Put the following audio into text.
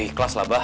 ya ikhlas lah pak